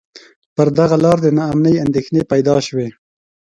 پر دغه لار د نا امنۍ اندېښنې پیدا شوې.